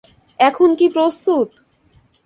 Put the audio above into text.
এখন কি প্রস্তুত?